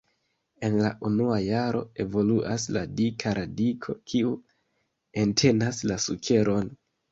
En la unua jaro evoluas la dika radiko, kiu entenas la sukeron.